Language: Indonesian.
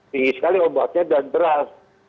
tinggi sekali ombaknya dan beras